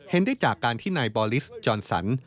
ได้จากการที่นายบอลิสจอนสัน